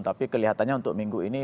tapi kelihatannya untuk minggu ini